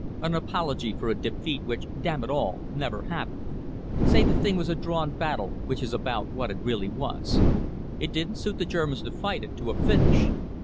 an apology for a defeat which, damn it all, never happened! Say the thing was a drawn battle, which is about what it really was. It didn't suit the Germans to fight it to a finish.